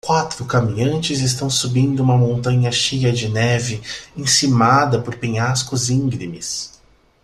Quatro caminhantes estão subindo uma montanha cheia de neve encimada por penhascos íngremes.